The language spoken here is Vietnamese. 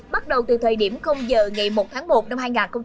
bắt đầu từ thời điểm giờ ngày một tháng một năm hai nghìn hai mươi